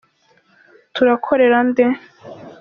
Turakorera nde.